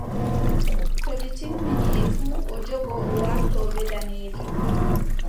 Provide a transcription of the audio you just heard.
To ɓe timmini e fuu, o jogo o warto ɓe daneejo.